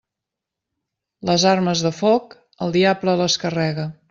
Les armes de foc, el diable les carrega.